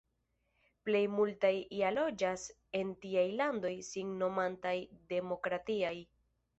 Plej multaj ja loĝas en tiaj landoj sin nomantaj demokratiaj.